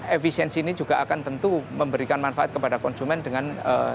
efisiensi ini juga akan tentu memberikan manfaat kepada konsumen dengan